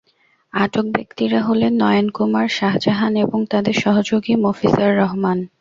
আটক ব্যক্তিরা হলেন নয়ন কুমার, শাহজাহান এবং তাঁদের সহযোগী মফিজার রহমান।